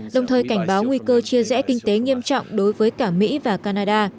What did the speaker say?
đồng thời cảnh báo nguy cơ chia rẽ kinh tế nghiêm trọng đối với cả mỹ và canada